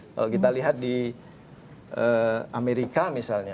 kalau kita lihat di amerika misalnya